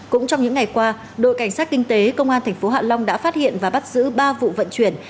cũng trong những ngày qua đội cảnh sát kinh tế công an tp hạ long đã phát hiện và bắt giữ ba vụ vận chuyển